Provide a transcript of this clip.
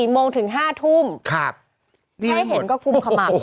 โมงถึง๕ทุ่มแค่เห็นก็กุมขมับ